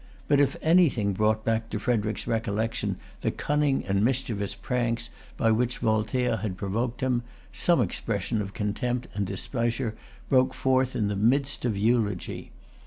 But if anything brought back to Frederic's recollection the cunning and mischievous pranks by which Voltaire had provoked him, some expression of contempt and displeasure broke forth in the midst of eulogy.